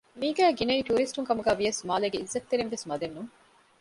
މީގައި ގިނައީ ޓޫރިސްޓުން ކަމުގައި ވިޔަސް މާލޭގެ އިއްޒަތްތެރިންވެސް މަދެއް ނޫން